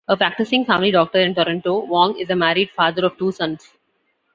A practicing family doctor in Toronto, Wong is a married father of two sons.